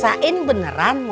masih ada lagi abang skrilo